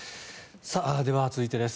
では続いてです。